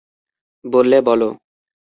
বললে, বলো।